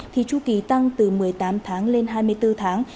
thì chu kỳ tăng từ một mươi tám tháng lên hai mươi bốn tháng